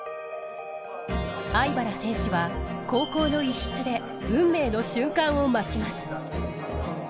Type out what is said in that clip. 粟飯原選手は高校の一室で運命の瞬間を待ちます。